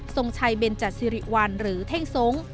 ทรงชัยเบนจัดสิริวัลหรือเท่งทรง